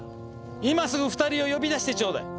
今すぐ２人を呼び出してちょうだい。